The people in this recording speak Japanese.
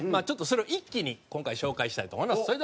ちょっとそれを一気に今回紹介したいと思います。